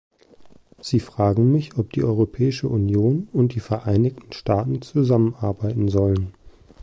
Sie fragen mich, ob die Europäische Union und die Vereinigten Staaten zusammenarbeiten sollen.